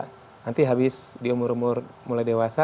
nanti habis di umur umur mulai dewasa